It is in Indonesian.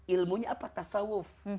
ilmunya apa tasawuf